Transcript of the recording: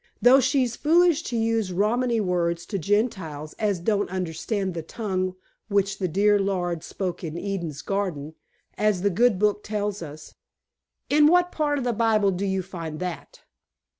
"Though she's foolish to use Romany words to Gentiles as don't understand the tongue which the dear Lord spoke in Eden's garden, as the good Book tells us." "In what part of the Bible do you find that?"